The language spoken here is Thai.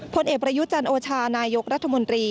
ผลเอกประยุจันโอชานายกรัฐมนตรี